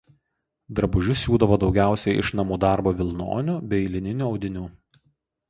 Drabužius siūdavo daugiausiai iš namų darbo vilnonių bei lininių audinių.